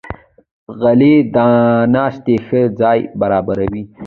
غلۍ د ناستې ښه ځای برابروي.